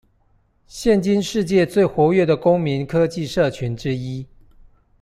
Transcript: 現今世界最活躍的公民科技社群之一